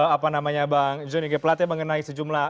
apa namanya bang johnny g platnya mengenai sejumlah